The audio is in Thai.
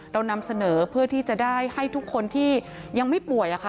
เรานำเสนอเพื่อที่จะได้ให้ทุกคนที่ยังไม่ป่วย